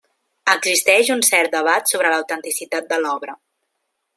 Existeix un cert debat sobre l'autenticitat de l'obra.